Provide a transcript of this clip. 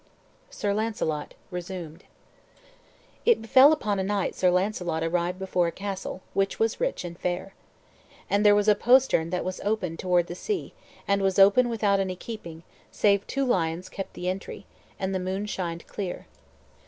SIR LAUNCELOT (Resumed) It befell upon a night Sir Launcelot arrived before a castle, which was rich and fair. And there was a postern that was opened toward the sea, and was open without any keeping, save two lions kept the entry; and the moon shined clear.